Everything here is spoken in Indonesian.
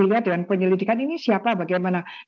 dilihat dengan penyelidikan ini siapa bagaimana apa apa